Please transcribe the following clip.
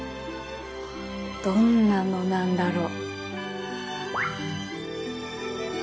どんなのなんだろう？